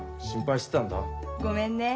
ごめんね。